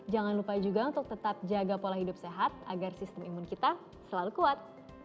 jangan lupa juga untuk tetap jaga pola hidup sehat agar sistem imun kita selalu kuat